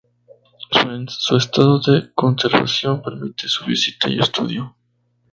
Su estado de conservación permite su visita y estudio.